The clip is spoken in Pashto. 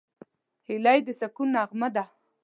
هیلۍ د سکون نغمه ده